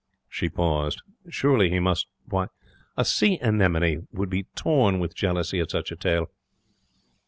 She paused. Surely he must Why, a sea anemone would be torn with jealousy at such a tale.